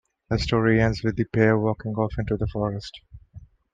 The story ends with the pair walking off into the forest.